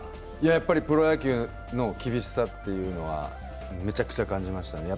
やっぱりプロ野球の厳しさっていうのはむちゃくちゃ感じました。